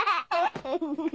フフフ。